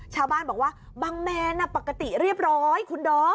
ชาวบ้านบอกว่าบังแมนปกติเรียบร้อยคุณดอม